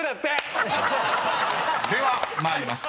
［では参ります。